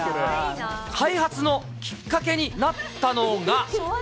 開発のきっかけになったのが。